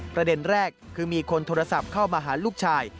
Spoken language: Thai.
ประเด็นแรกคือมีคนโทรศัพท์เข้ามาหาลูกชาย